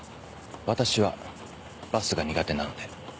私はバスが苦手なので。